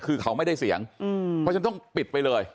คือเขาไม่ได้เสียงเพราะฉะนั้นต้องปิดไปเลย